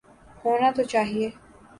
ہونا تو چاہیے۔